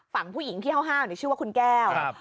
ฝั่งผู้หญิงที่ห้าวชื่อว่าคุณแก้ว